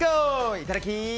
いただき！